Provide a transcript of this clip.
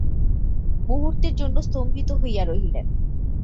মুহূর্তের জন্য স্তম্ভিত হইয়া রহিলেন।